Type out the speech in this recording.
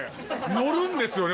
乗るんですよね？